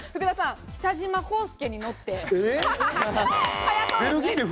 北島康介に乗って。